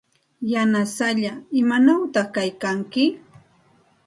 Yanasallaa, ¿imanawta kaykanki?